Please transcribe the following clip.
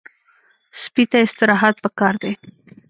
سپي ته استراحت پکار دی.